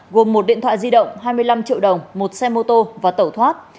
gồm một điện thoại di động hai mươi năm triệu đồng một xe mô tô và tẩu thoát